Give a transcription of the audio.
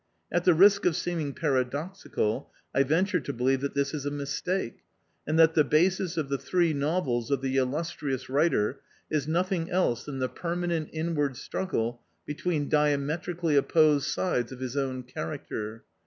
At the risk of seeming paradoxical, I venture to believe that this is a mistake, and that the basis of the three novels of the illus trious writer is nothing else than the permanent inward struggle between diametrically opposed sides of his own character.